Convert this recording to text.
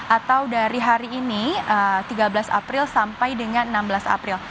atau dari hari ini tiga belas april sampai dengan enam belas april